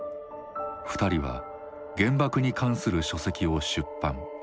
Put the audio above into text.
２人は原爆に関する書籍を出版。